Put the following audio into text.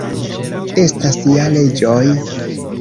Estas ja leĝoj.